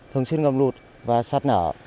thường xuyên ngập lụt và sạt nở